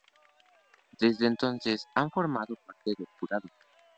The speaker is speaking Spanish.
Desde entonces ha formado parte del jurado.